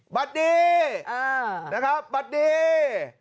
บัดดี้นะครับบัดดี้